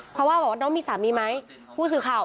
เพราะว่าบอกว่าน้องมีสามีไหมผู้สื่อข่าว